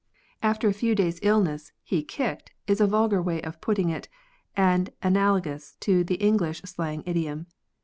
After a few days' illness he kicked, is a vulgar way of putting SLANG, 67 it, and analogous to the English slang idiom.